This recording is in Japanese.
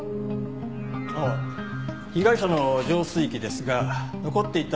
ああ被害者の浄水器ですが残っていた